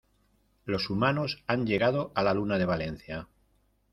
Los humanos han llegado a la Luna de Valencia.